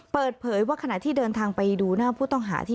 เปิดเผยว่าขณะที่เดินทางไปดูหน้าผู้ต้องหาที่